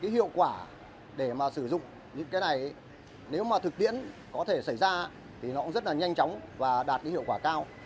hiệu quả để mà sử dụng những cái này nếu mà thực tiễn có thể xảy ra thì nó cũng rất là nhanh chóng và đạt hiệu quả cao